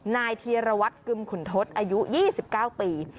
นายธีรวัตรกึมขุนทศอายุ๒๙ปี